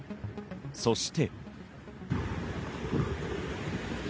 そして。